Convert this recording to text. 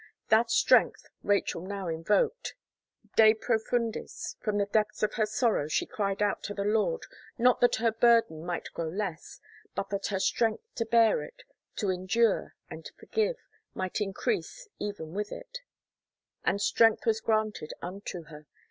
That strength Rachel now invoked. De Profundis, from the depths of her sorrow she cried out to the Lord, not that her burden might grow less, but that her strength to bear it, to endure and forgive, might increase eyen with it And strength was granted unto her.